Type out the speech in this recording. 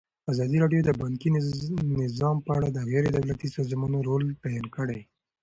ازادي راډیو د بانکي نظام په اړه د غیر دولتي سازمانونو رول بیان کړی.